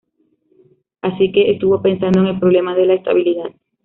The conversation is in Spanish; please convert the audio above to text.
Así que estuvo pensando en el problema de la estabilidad.